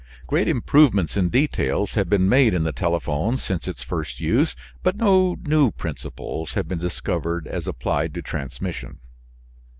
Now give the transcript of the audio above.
Great improvements in details have been made in the telephone since its first use, but no new principles have been discovered as applied to transmission.